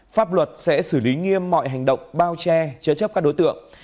pháp luật sẽ xử lý nghiêm mọi hành động bao che chế chấp các đối tượng